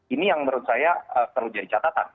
ini yang menurut saya perlu jadi catatan